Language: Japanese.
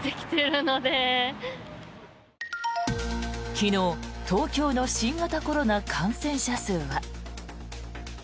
昨日東京の新型コロナ感染者数は。